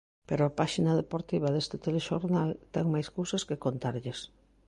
Pero a páxina deportiva deste telexornal ten máis cousas que contarlles.